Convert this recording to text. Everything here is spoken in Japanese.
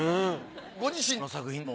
ご自身の作品も。